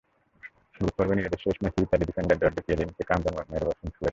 গ্রুপপর্বে নিজেদের শেষ ম্যাচে ইতালি ডিফেন্ডার জর্জো কিয়েলিনিকে কামড় মেরে বসেন সুয়ারেজ।